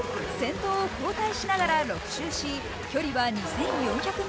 先頭を交代しながら６周し、距離は２４００ｍ。